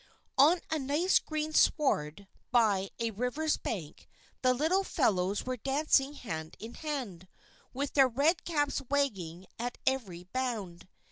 On a nice green sward by a river's bank the little fellows were dancing hand in hand, with their red caps wagging at every bound.